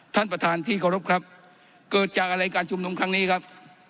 ท่านประธานที่เคารพครับเกิดจากอะไรการชุมนุมครั้งนี้ครับ